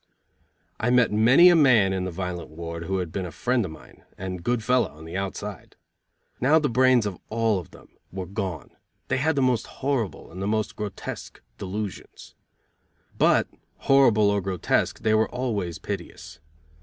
I met many a man in the violent ward who had been a friend of mine and good fellow on the outside. Now the brains of all of them were gone, they had the most horrible and the most grotesque delusions. But horrible or grotesque they were always piteous.